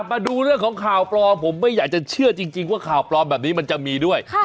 มาดูเรื่องของข่าวปลอมผมไม่อยากจะเชื่อจริงว่าข่าวปลอมแบบนี้มันจะมีด้วย